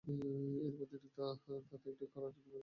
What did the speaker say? এরপর তিনি দাঁত দ্বারা একটি কড়া টেনে বের করে আনেন।